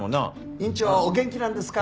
院長はお元気なんですか？